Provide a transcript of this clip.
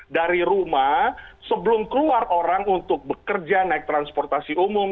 dari rumah sebelum keluar orang untuk bekerja naik transportasi umum